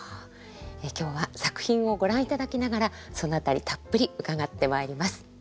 今日は作品をご覧いただきながらその辺りたっぷり伺ってまいります。